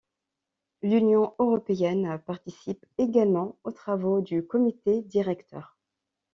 L’Union européenne participe également aux travaux du Comité directeur.